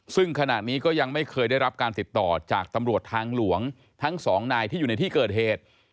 ซึ่งขณะนี้ก็ยังไม่เคยได้รับการติดต่อจากตำรวจทางหลวงทั้งสองนายที่อยู่ในที่เกิดเหตุ